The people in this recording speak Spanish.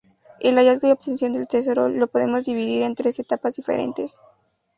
El hallazgo y obtención del tesoro lo podemos dividir en tres etapas diferentes.